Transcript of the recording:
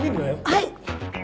はい。